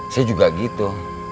saya juga gitu